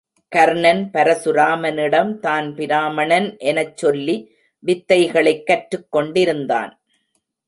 கர்ணன் பரசுராமனிடம் தான் பிராமணன் எனச் சொல்லி வித்தைகளைக் கற்றுக் கொண்டிருந்தான்.